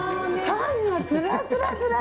パンがずらずら。